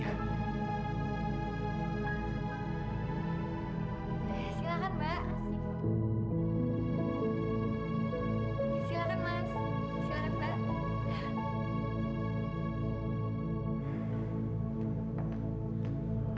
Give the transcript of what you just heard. insya allah mas insya allah pak